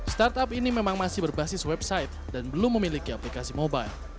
startup ini memang masih berbasis website dan belum memiliki aplikasi mobile